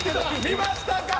見ましたか？